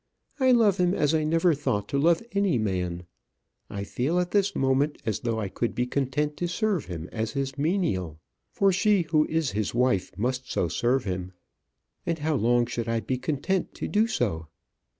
I love him as I never thought to love any man. I feel at this moment as though I could be content to serve him as his menial. For she who is his wife must so serve him and how long should I be content to do so?